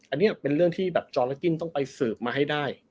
อันนี้เป็นเรื่องที่แบบจอละกิ้นต้องไปสืบมาให้ได้